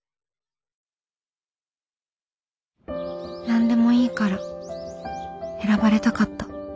何でもいいから選ばれたかった